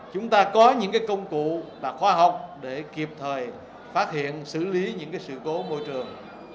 chúng ta có những công cụ khoa học để kịp thời phát hiện xử lý những sự cố môi trường